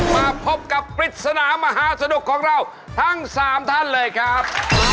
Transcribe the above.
มาพบกับปริศนามหาสนุกของเราทั้ง๓ท่านเลยครับ